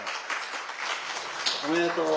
おめでとう。